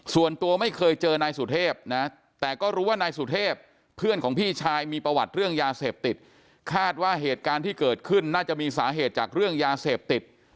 ส่วนตัวไม่เคยเจอนายสุเทพนะแต่ก็รู้ว่านายสุเทพเพื่อนของพี่ชายมีประวัติเรื่องยาเสพติดคาดว่าเหตุการณ์ที่เกิดขึ้นน่าจะมีสาเหตุจากเรื่องยาเสพติด